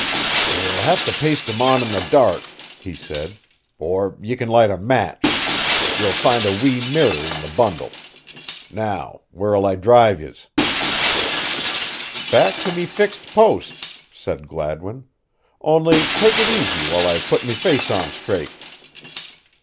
"Ye'll have to paste 'em on in the dark," he said. "Or ye can light a match. Ye'll find a wee mirror in the bundle. Now where'll I drive yez?" "Back to me fixed post," said Gladwin, "only take it easy while I put me face on straight."